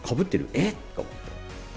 えっと思って。